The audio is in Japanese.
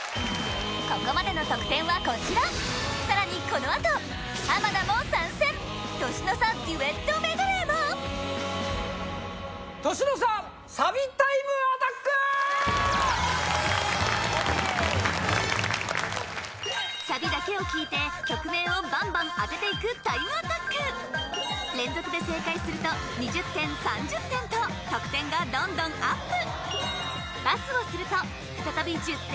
ここまでの得点はこちらさらにこのあと年の差デュエットメドレーも年の差サビタイムアタックサビだけを聴いて曲名をバンバン当てていくタイムアタック連続で正解すると２０点３０点と得点がどんどんアップ